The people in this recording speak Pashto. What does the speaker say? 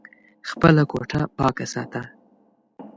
خپله کوټه پاکه ساته !